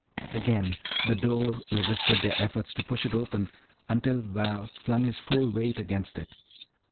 Again the door resisted their efforts to push it open until Val flung his full weight against it.